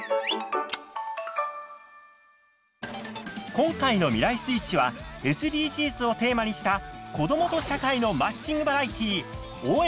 今回の「未来スイッチ」はＳＤＧｓをテーマにした子どもと社会のマッチングバラエティー「応援！